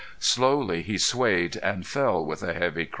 Slowly he swayed and fell with a heavy crash.